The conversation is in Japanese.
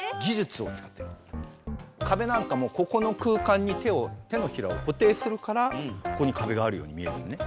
カベなんかもここの空間に手のひらを固定するからここにカベがあるように見えるよね。